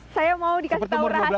saya mau dikasih tahu rahasia